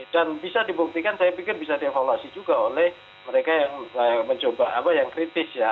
dan bisa dibuktikan saya pikir bisa diavaluasi juga oleh mereka yang mencoba apa yang kritis ya